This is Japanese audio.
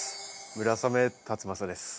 村雨辰剛です。